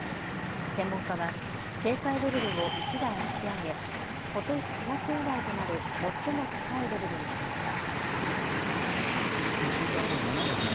専門家は警戒レベルを１段引き上げ、ことし４月以来となる最も高いレベルにしました。